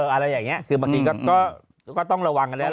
อะไรอย่างเนี้ยคือหมาตระตรีก็ก็ต้องระวังกันแล้วนะ